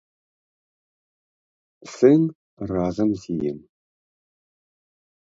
Сын разам з ім.